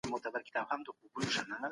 هر ماشوم ځانګړی استعداد لري.